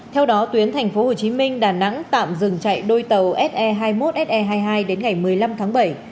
theo đó tuyến tp hcm đà nẵng tạm dừng chạy đôi tàu se hai mươi một se hai mươi hai đến ngày một mươi năm tháng bảy